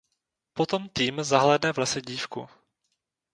Potom tým zahlédne v lese dívku.